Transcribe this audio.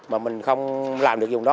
mà mình không làm được vùng đó